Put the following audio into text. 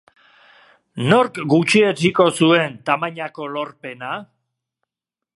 Nork gutxietsiko zuen tamainako lorpena?